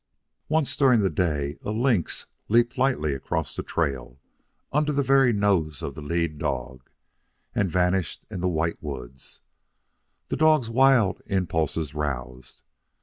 Once, during the day, a lynx leaped lightly across the trail, under the very nose of the lead dog, and vanished in the white woods. The dogs' wild impulses roused.